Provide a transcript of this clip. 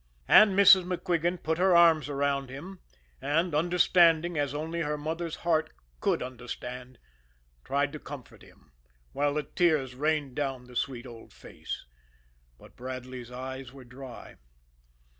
And Mrs. MacQuigan put her arms around him, and, understanding as only her mother's heart could understand, tried to comfort him, while the tears rained down the sweet old face. But Bradley's eyes were dry.